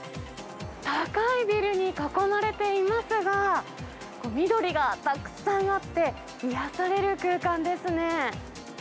高いビルに囲まれていますが、緑がたくさんあって、癒やされる空間ですね。